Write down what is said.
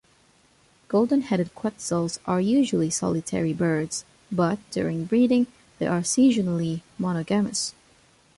Golden-headed quetzals are usually solitary birds but, during breeding, they are seasonally monogamous.